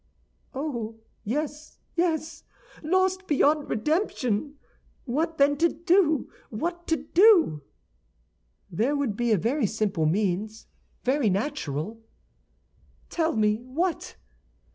"Oh, yes, yes; lost beyond redemption! What, then, to do? What to do?" "There would be a very simple means, very natural—" "Tell me what!"